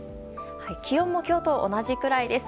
気温も今日と同じくらいです。